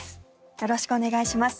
よろしくお願いします。